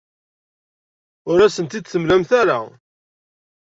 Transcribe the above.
Ur asent-tent-id-temlamt ara.